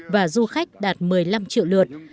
và du khách đạt một mươi năm triệu lượt